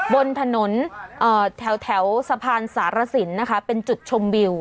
บนถนนแถวสะพานสารสินนะคะเป็นจุดชมวิว